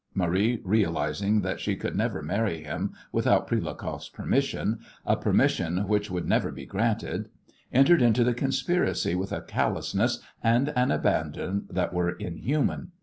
Marie, realizing that she could never marry him without Prilukoff's permission a permission which would never be granted entered into the conspiracy with a callousness and an abandon that were inhuman.